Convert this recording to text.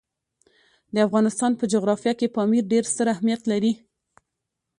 د افغانستان په جغرافیه کې پامیر ډېر ستر اهمیت لري.